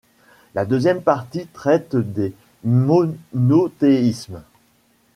La deuxième partie traite des monothéismes.